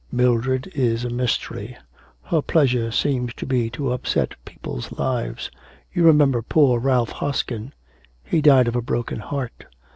'Mildred is a mystery. Her pleasure seems to be to upset people's lives. You remember poor Ralph Hoskin. He died of a broken heart.